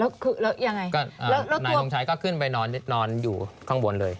แล้วคือแล้วยังไงก็แล้วแล้วไหนทรงชัยก็ขึ้นไปนอนนอนอยู่ข้างบนเลย